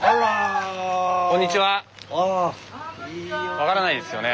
分からないですよね。